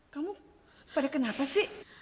kamu pada kenapa sih